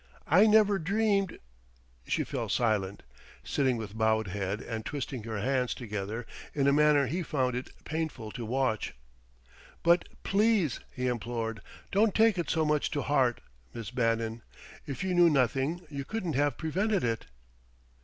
I never dreamed ..." She fell silent, sitting with bowed head and twisting her hands together in a manner he found it painful to watch. "But please," he implored, "don't take it so much to heart, Miss Bannon. If you knew nothing, you couldn't have prevented it."